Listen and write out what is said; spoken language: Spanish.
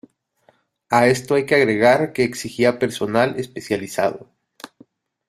A esto hay que agregar que exigía personal especializado.